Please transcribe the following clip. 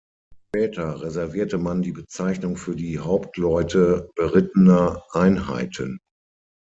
Später reservierte man die Bezeichnung für die Hauptleute berittener Einheiten.